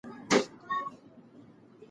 ماشومان ښوونځیو ته ځي.